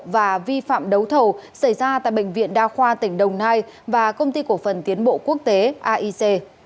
và vi phạm đấu thầu xảy ra tại bệnh viện đa khoa tỉnh đồng nai và công ty cổ phần tiến bộ quốc tế aic